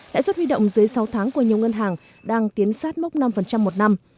lãi suất huy động dưới sáu tháng của nhiều ngân hàng đang tiến sát mốc năm một năm